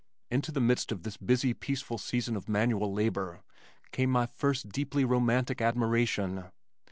Into the midst of this busy peaceful season of manual labor came my first deeply romantic admiration.